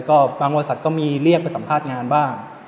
ก็บางบริษัทก็มีเรียกไปสัมภาษณ์งานบ้าง